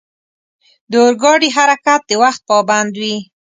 د اورګاډي حرکت د وخت پابند وي.